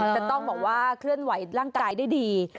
จะต้องบอกว่าเคลื่อนไหวร่างกายได้ดี